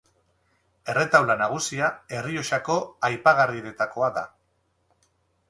Erretaula nagusia Errioxako aipagarrienetakoa da.